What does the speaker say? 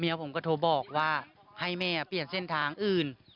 ผมก็โทรบอกว่าให้แม่เปลี่ยนเส้นทางอื่น